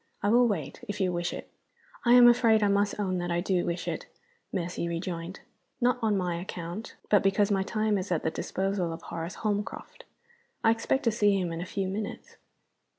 I will wait, if you wish it." "I am afraid I must own that I do wish it," Mercy rejoined. "Not on my account but because my time is at the disposal of Horace Holmcroft. I expect to see him in a few minutes."